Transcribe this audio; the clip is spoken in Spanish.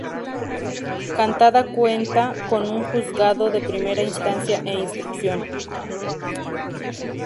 Chantada cuenta con un Juzgado de Primera Instancia e Instrucción.